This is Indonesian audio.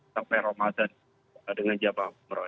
sampai ramadan dengan jabah